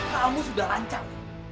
kamu sudah lancar